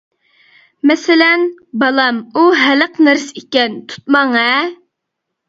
مەسىلەن :بالام ئۇ ھەلەق نەرسە ئىكەن، تۇتماڭ ھە!